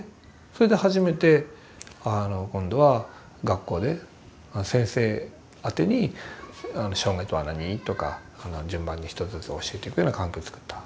それで初めて今度は学校で先生あてに障害とは何とか順番に一つずつ教えていくような関係をつくった。